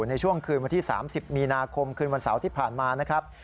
ในช่วงคืนวันที่๓๐มีนาคมคืนวันเสาร์ที่ผ่านมานะครับ